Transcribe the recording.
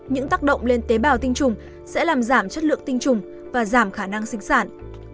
những tác động lên tế bào tinh trùng sẽ làm giảm chất lượng tinh trùng và giảm khả năng sinh sản